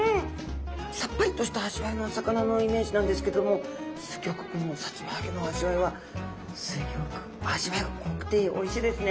さっぱりとした味わいのお魚のイメージなんですけどもすギョくこのさつま揚げの味わいはすギョく味わいが濃くておいしいですね。